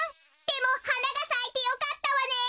でもはながさいてよかったわね。